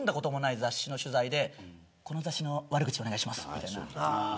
雑誌の取材でこの雑誌の悪口をお願いしますみたいな。